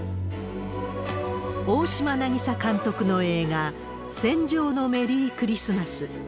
大島渚監督の映画、戦場のメリークリスマス。